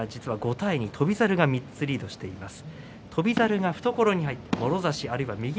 過去の対戦は５対２翔猿が３つリードしています。